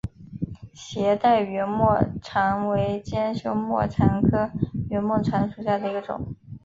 斜带圆沫蝉为尖胸沫蝉科圆沫蝉属下的一个种。